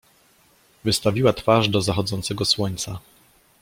Wystawiła twarz do zachodzącego słońca.